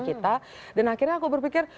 kita dan akhirnya aku berpikir